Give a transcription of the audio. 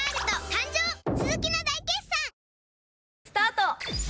スタート！